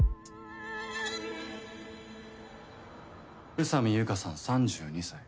宇佐美由夏さん３２歳。